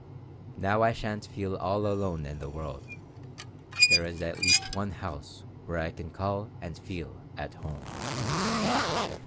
"Now I sha'n't feel all alone in the world. There is at least one house where I can call and feel at home."